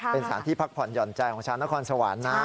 เป็นสารที่พักผ่อนหย่อนใจของชาวนครสวรรค์นะ